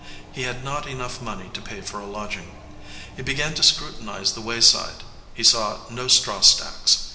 He had not enough money to pay for a lodging. He began to scrutinize the wayside. He saw no straw stacks.